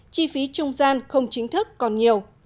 chi phí trung gian không chính thức còn nhiều